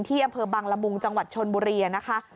อำเภอบังละมุงจังหวัดชนบุรีนะคะ